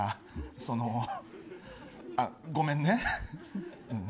そのごめんね。